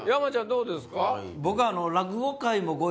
どうですか？